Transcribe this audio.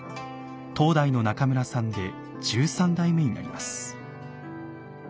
当代の中村さんで十三代目になります。